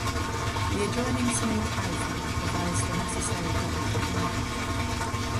The adjoining small cow farm provides the necessary dung for farming.